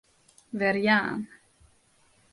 Werjaan.